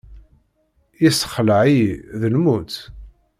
Yessexleɛ-iyi, d lmut.